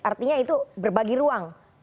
artinya itu berbagi ruang